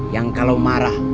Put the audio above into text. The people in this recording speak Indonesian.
yang kalau marah